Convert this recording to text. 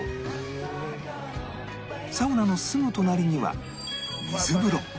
サウナのすぐ隣には水風呂